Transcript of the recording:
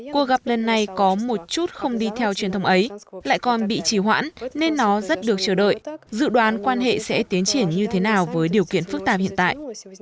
cuộc gặp lần này có một chút không đi theo truyền thông ấy lại còn bị trì hoãn nên nó rất được chờ đợi dự đoán quan hệ sẽ tiến triển như thế nào với điều kiện phức tạp hiện tại